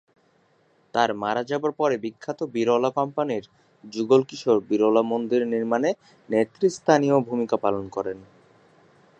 তার মারা যাবার পরে বিখ্যাত বিড়লা কোম্পানির যুগল কিশোর বিড়লা মন্দির নির্মাণে নেতৃস্থানীয় ভূমিকা পালন করেন।